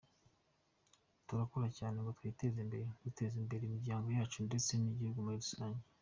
Turakora cyane ngo twiteze imbere, duteze imbere imiryango yacu, ndetse n’igihugu muri rusange.